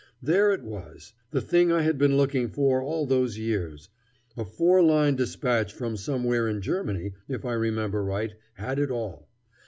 There it was, the thing I had been looking for all those years. A four line despatch from somewhere in Germany, if I remember right, had it all.